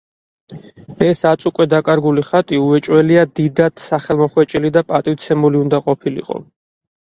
ეს, აწ უკვე დაკარგული ხატი, უეჭველია, დიდად სახელმოხვეჭილი და პატივცემული უნდა ყოფილიყო.